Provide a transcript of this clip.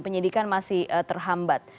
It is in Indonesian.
penyidikan masih terhambat